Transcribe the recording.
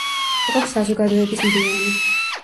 იყო საზოგადოების მდივანი.